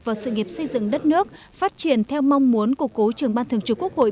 vào sự nghiệp xây dựng đất nước phát triển theo mong muốn của cố trưởng ban thường trực quốc hội